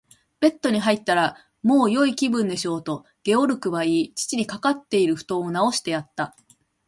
「ベッドに入ったら、もうよい気分でしょう？」と、ゲオルクは言い、父にかかっているふとんをなおしてやった。